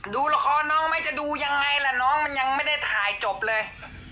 ดูละครน้องไหมจะดูยังไงล่ะน้องมันยังไม่ได้ถ่ายจบเลย